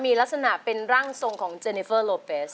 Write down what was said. มีลักษณะเป็นร่างทรงของเจเนเฟอร์โลเฟส